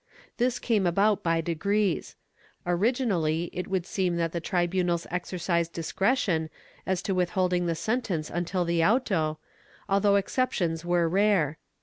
This came about by degrees. Originally it would seem that the tribunals exercised discretion as to with holding the sentence until the auto, although exceptions were rare.